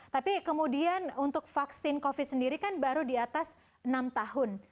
tapi kemudian untuk vaksin covid sendiri kan baru di atas enam tahun